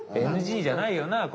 ＮＧじゃないよな？